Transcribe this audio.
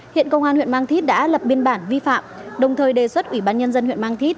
hiện công an huyện mang thít đã lập biên bản vi phạm đồng thời đề xuất ủy ban nhân dân huyện mang thít